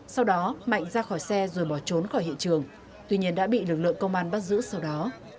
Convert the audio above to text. sau đó mạnh ra khỏi xe rồi bỏ trốn khỏi hiện trường tuy nhiên đã bị lực lượng công an bắt giữ sau đó